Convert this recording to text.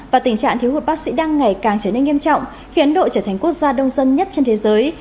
và tình trạng thiếu hụt bác sĩ đang ngày càng trở nên nghiêm trọng khiến ấn độ trở thành quốc gia đông dân nhất trên thế giới